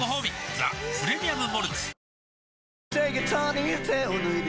「ザ・プレミアム・モルツ」